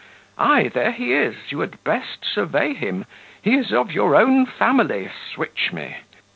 Ay, there he is; you had best survey him; he is of your own family; switch me.